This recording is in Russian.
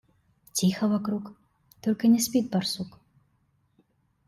Тихо вокруг, только не спит барсук.